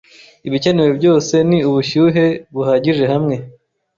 Ibikenewe byose ni ubushyuhe buhagije hamwe